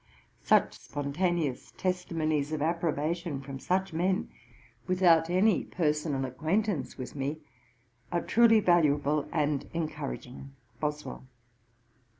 Such spontaneous testimonies of approbation from such men, without any personal acquaintance with me, are truly valuable and encouraging. BOSWELL.